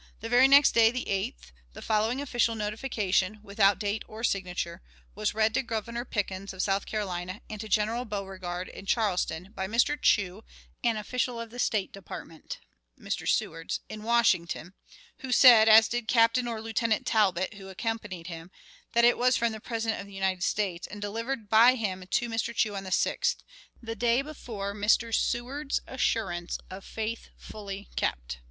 The very next day (the 8th) the following official notification (without date or signature) was read to Governor Pickens, of South Carolina, and General Beauregard, in Charleston, by Mr. Chew, an official of the State Department (Mr. Seward's) in Washington, who said as did a Captain or Lieutenant Talbot, who accompanied him that it was from the President of the United States, and delivered by him to Mr. Chew on the 6th the day before Mr. Seward's assurance of "faith fully kept."